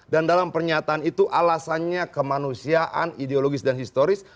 dan dalam pernyataan itu alasannya kemanusiaan ideologis dan historis